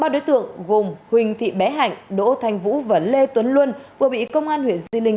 ba đối tượng gồm huỳnh thị bé hạnh đỗ thanh vũ và lê tuấn luân vừa bị công an huyện di linh